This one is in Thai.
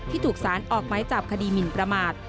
ที่ถูกสารออกไม้จับคดีมิณประมาตร